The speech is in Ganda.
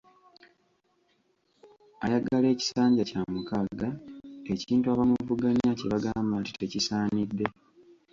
Ayagala ekisanja kya mukaaga, ekintu abamuvuganya kye bagamba nti tekisaanidde.